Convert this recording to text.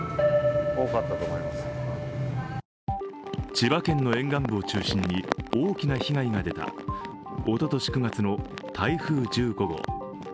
千葉県の沿岸部を中心に大きな被害が出たおととし９月の台風１５号。